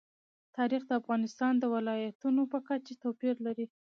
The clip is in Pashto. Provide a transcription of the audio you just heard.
تاریخ د افغانستان د ولایاتو په کچه توپیر لري.